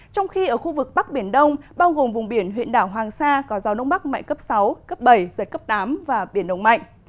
trong khi ở khu vực bắc biển đông bao gồm vùng biển huyện đảo hoàng sa có gió nông bắc mạnh cấp sáu cấp bảy giật cấp tám và biển động mạnh